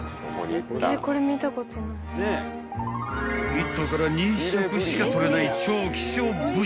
［１頭から２食しか取れない超希少部位］